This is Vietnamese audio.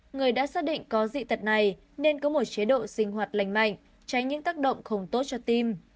người đã xác định có dị tật này nên có một chế độ sinh hoạt lành mạnh tránh những tác động không tốt cho tim